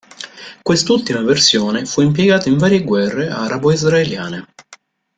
Quest'ultima versione fu impiegata in varie guerre arabo-israeliane.